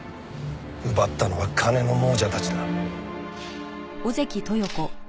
奪ったのは金の亡者たちだ。